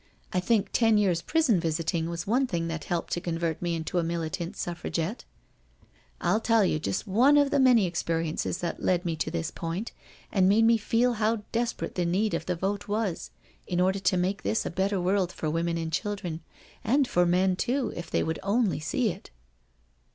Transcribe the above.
I think ten years prison visiting was one thing that helped to convert me into a Militant Suffra gette, ril tell you just one of many experiences that led me to this point and made me feel how desperate the need of the vote was in order to make this a better world for women and children, and for men, too, if they would only see it."